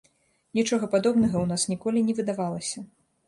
Нічога падобнага ў нас ніколі не выдавалася.